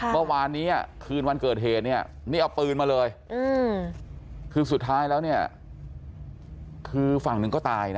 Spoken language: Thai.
เมื่อคืนวันเกิดเหตุเนี่ยนี่เอาปืนมาเลยคือสุดท้ายแล้วเนี่ยคือฝั่งหนึ่งก็ตายนะ